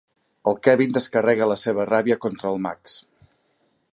El Kevin descarrega la seva ràbia contra el Max.